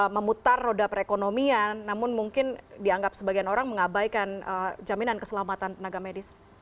memutar roda perekonomian namun mungkin dianggap sebagian orang mengabaikan jaminan keselamatan tenaga medis